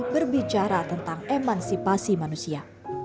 berbicara tentang emansipasi manusia